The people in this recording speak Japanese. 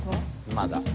まだ。